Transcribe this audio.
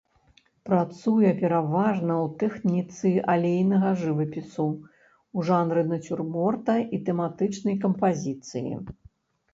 Працуе пераважна ў тэхніцы алейнага жывапісу, у жанры нацюрморта і тэматычнай кампазіцыі.